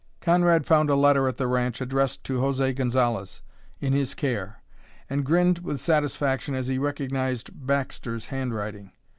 Conrad found a letter at the ranch addressed to José Gonzalez, in his care, and grinned with satisfaction as he recognized Baxter's handwriting.